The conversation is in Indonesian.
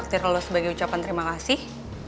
nanti gue bales lo sebagai ucapan terima kasih